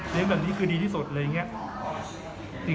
แบบนี้คือดีที่สุดอะไรอย่างนี้